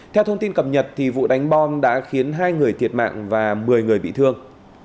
theo thông tin cập nhật vụ đánh bom đã khiến hai người thiệt mạng và một mươi người bị thương